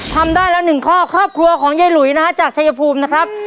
ทำได้แล้ว๑ข้อครอบครัวของเย้หลุยนะครับจากชัยภูมินะครับ